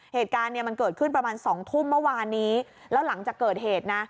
เหตุการณ์เนี่ยมันเกิดขึ้นประมาณสองทุ่มเมื่อวานนี้แล้วหลังจากเกิดเหตุนะ